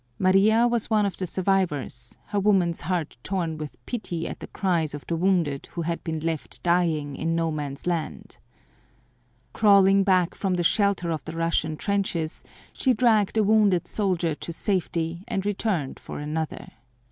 Maria was one of the survivors, her woman's heart torn with pity at the cries of the wounded who had been left dying in No Man's Land. Crawling back from the shelter of the Russian trenches, she dragged a wounded soldier to safety and returned for another.